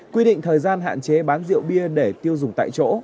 quy định thời gian hạn chế bán rượu bia để tiêu dùng tại chỗ